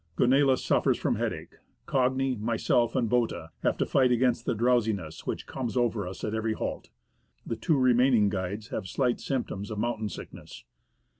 Gonella suffers from headache ; Cagni, myself, and Botta have to fight against the drowsiness which comes over us at every halt. The two remaining guides have slight symptoms of mountain sickness.